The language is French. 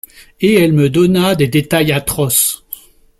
Et elle me donna des détails atroces.